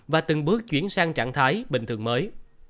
và từng bước chuyển sang trạng thái bình thường mới